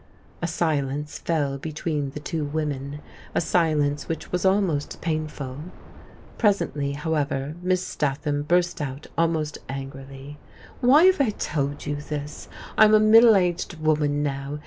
A silence fell between the two women, a silence which was almost painful. Presently, however, Miss Statham burst out almost angrily : "Why have I told you this? I am a middle aged woman now.